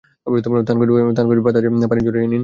থানকুনি পাতা ধুয়ে পানি ঝরিয়ে নিন।